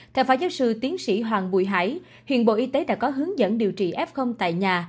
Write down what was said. theo phó giáo sư tiến sĩ hoàng bùi hải hiện bộ y tế đã có hướng dẫn điều trị f tại nhà